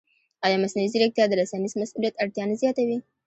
ایا مصنوعي ځیرکتیا د رسنیز مسؤلیت اړتیا نه زیاتوي؟